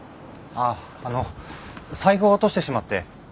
あっあの財布を落としてしまって。